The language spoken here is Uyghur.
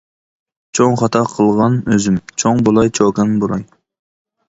چوڭ خاتا قىلغان ئۆزۈم، چوڭ بولاي چوكان بولاي.